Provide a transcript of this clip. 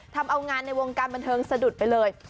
ทำเอางานในวงการบันเทิงสะดุดไปเลย